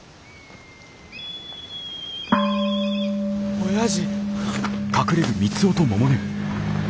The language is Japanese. おやじ。